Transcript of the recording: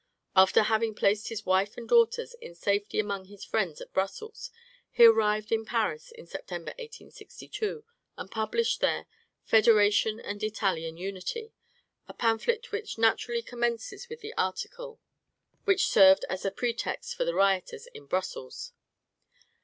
After having placed his wife and daughters in safety among his friends at Brussels, he arrived in Paris in September, 1862, and published there, "Federation and Italian Unity," a pamphlet which naturally commences with the article which served as a pretext for the rioters in Brussels.